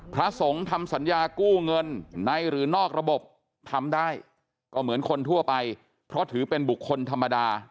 พระสงฆ์ทำสัญญากู้เงินในหรือนอกระบบทำได้ก็เหมือนคนทั่วไปเพราะถือเป็นบุคคลธรรมดา